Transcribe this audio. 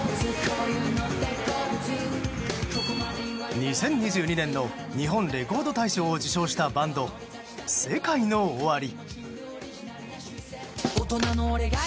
２０２２年の日本レコード大賞を受賞したバンドＳＥＫＡＩＮＯＯＷＡＲＩ。